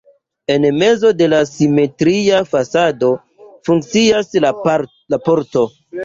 En mezo de la simetria fasado funkcias la pordo.